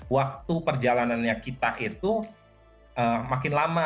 waktu perjalanannya kita itu makin lama